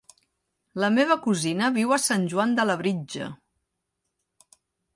La meva cosina viu a Sant Joan de Labritja.